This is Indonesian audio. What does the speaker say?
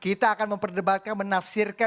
kita akan memperdebatkan menafsirkan